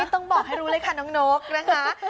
ต้องบอกให้รู้เลยค่ะน้องนกนะคะ